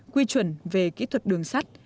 quy chuẩn về kỹ thuật đường sắt